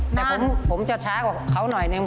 แต่ผมจะช้ากว่าเขาหน่อยนึง